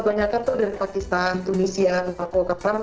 banyaknya itu dari pakistan tunisia paku kepram